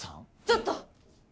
ちょっと！